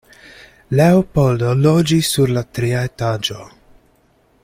Leopoldo loĝis sur la tria etaĝo.